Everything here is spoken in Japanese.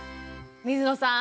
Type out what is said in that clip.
水野さん